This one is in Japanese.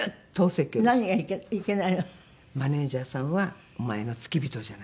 「マネジャーさんはお前の付き人じゃない」。